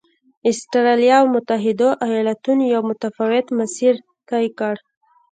اسټرالیا او متحدو ایالتونو یو متفاوت مسیر طی کړ.